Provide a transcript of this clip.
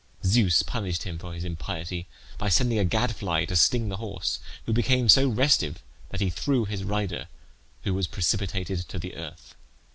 Zeus punished him for his impiety by sending a gadfly to sting the horse, who became so restive that he threw his rider, who was precipitated to the earth.